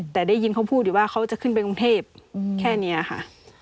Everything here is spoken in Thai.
แต่ได้ยินเขาพูดอยู่ว่าเขาจะขึ้นไปกรุงเทพแค่นี้ค่ะ